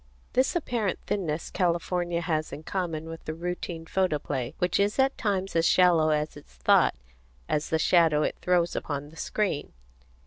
This apparent thinness California has in common with the routine photoplay, which is at times as shallow in its thought as the shadow it throws upon the screen.